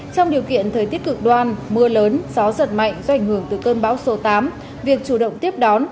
trong điều kiện thời tiết cực đoan mưa lớn gió giật mạnh do ảnh hưởng từ cơn bão số tám việc chủ động tiếp đón